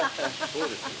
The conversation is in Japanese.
そうですよ。